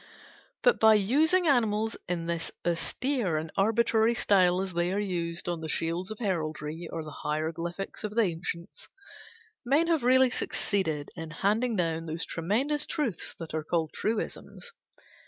But by using animals in this austere and arbitrary style as they are used on the shields of heraldry or the hieroglyphics of the ancients, men have really succeeded in handing down those tremendous truths that are called truisms.